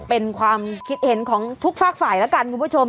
เป็นความคิดเห็นของทุกฝากฝ่ายแล้วกันคุณผู้ชม